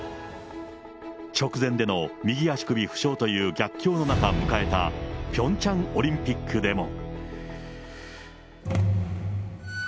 直前での右足首負傷という逆境の中迎えたピョンチャンオリンピックでも。